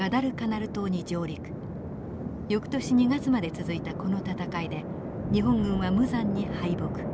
翌年２月まで続いたこの戦いで日本軍は無残に敗北。